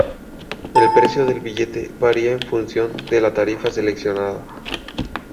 El precio del billete varía en función de la tarifa seleccionada.